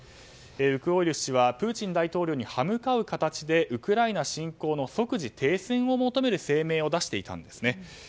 ルクオイルははむかう形でウクライナ侵攻の即時停戦を求める声明を出していたんですね。